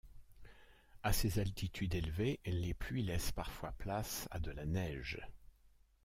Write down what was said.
À ces altitudes élevées, les pluies laissent parfois place à de la neige.